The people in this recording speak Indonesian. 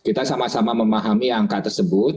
kita sama sama memahami angka tersebut